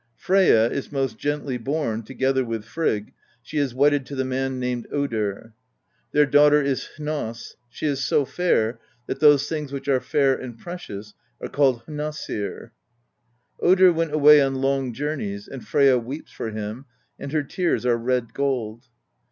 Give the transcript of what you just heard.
Freyja is most gently born (together with Frigg): she is wedded to the man named Odr. Their daughter is Hnoss: she is so fair, that those things which are fair and precious are called hriossir, Odr went away on long journeys, and Freyja weeps for him, and her tears are red gold.